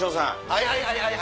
はいはいはいはい。